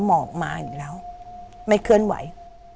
หมอกมาอีกแล้วไม่เคลื่อนไหว